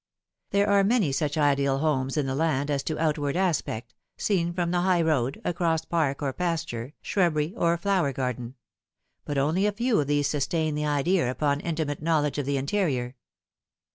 44 The Fatal Three. There are many such ideal homes in the knd as to outward aspect, seen from the high road, across park or pasture, shrubbery or flower garden ; but only a few of these sustain the idea upon intimate knowledge of the interior.